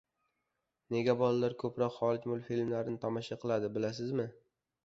Nega bolalar ko‘proq xorij multfilmlarini tomosha qiladi, bilasizmi?